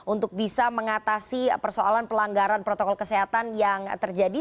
untuk bisa mengatasi persoalan pelanggaran protokol kesehatan yang terjadi